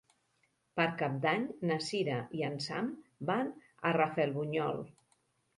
Per Cap d'Any na Sira i en Sam van a Rafelbunyol.